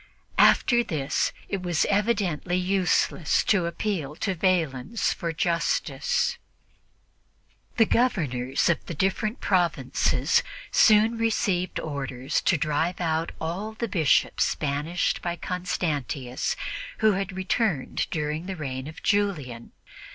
After this, it was evidently useless to appeal to Valens for justice. The Governors of the different provinces soon received orders to drive out all the Bishops banished by Constantius who had returned during the reign of Julian.